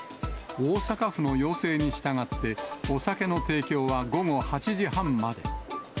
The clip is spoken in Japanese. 大阪府の要請に従って、お酒の提供は午後８時半まで。